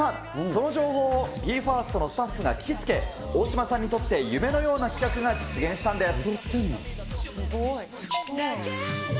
その情報をＢＥ：ＦＩＲＳＴのスタッフが聞きつけ、大島さんにとって夢のような企画が実現したんです。